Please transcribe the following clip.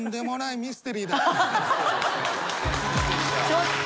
ちょっと。